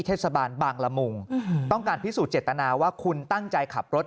เทศบาลบางละมุงต้องการพิสูจนเจตนาว่าคุณตั้งใจขับรถ